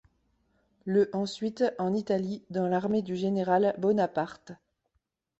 Le ensuite en Italie dans l'armée du général Bonaparte.